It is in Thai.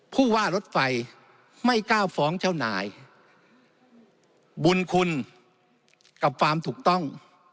ผู้ว่ารถไฟไม่กล้าฟ้องเจ้านายบุญคุณกับความถูกต้อง